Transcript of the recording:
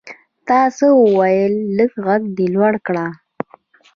تا څه وویل ؟ لږ ږغ لوړ کړه !